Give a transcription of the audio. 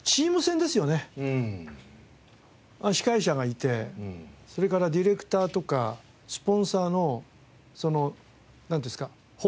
司会者がいてそれからディレクターとかスポンサーのなんていうんですか方向性？